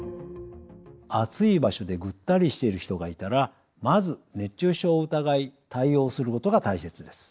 暑い場所でぐったりしている人がいたらまず熱中症を疑い対応することが大切です。